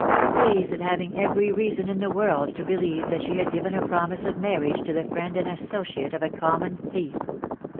. Pleased at having every reason in the world to believe that she had given a promise of mar riage to the friend and associate of a common thief